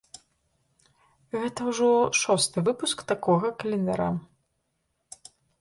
Гэта ўжо шосты выпуск такога календара.